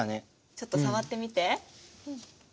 ちょっと触ってみて。